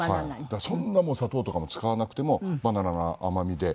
だからそんな砂糖とかも使わなくてもバナナの甘みで。